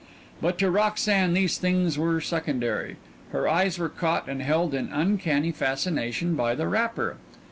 But to Roxanne these things were secondary; her eyes were caught and held in uncanny fascination by the wrapper.